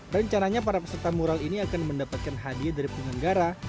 rencananya para peserta mural ini akan mendapatkan hadiah dari penyelenggara